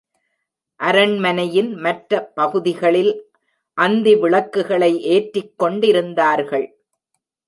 அரண்மனையின் மற்ற பகுதிகளில் அந்தி விளக்குகளை ஏற்றிக்கொண்டிருந்தார்கள்.